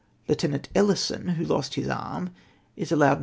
Lieutenant Ellison, who lost his arm, is allowed 91